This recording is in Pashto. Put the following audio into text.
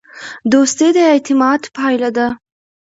دوستي د اعتماد پایله ده.